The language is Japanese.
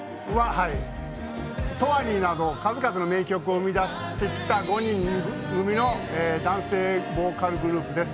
「永遠に」など数々の名曲を生み出してきた男性ボーカルグループです。